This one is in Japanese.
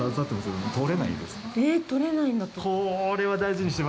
えっ、撮れないんだって！